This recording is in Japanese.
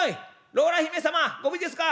ローラ姫様ご無事ですか！？」。